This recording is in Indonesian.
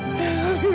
ini dia yang menangis